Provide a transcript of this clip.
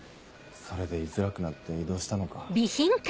それで居づらくなって異動したのか。